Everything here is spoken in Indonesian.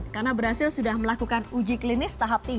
karena brazil sudah melakukan uji klinis tahap tiga